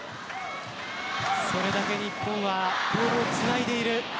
それだけ、日本はボールをつないでいる。